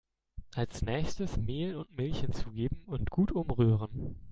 Als nächstes Mehl und Milch hinzugeben und gut umrühren.